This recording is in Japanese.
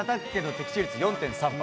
的中率４．３％。